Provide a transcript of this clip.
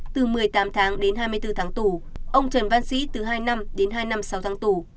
từ một mươi tám tháng đến hai mươi bốn tháng tù ông trần văn sĩ từ hai năm đến hai năm sáu tháng tù